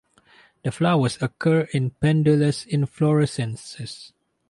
The flowers occur in pendulous inflorescences.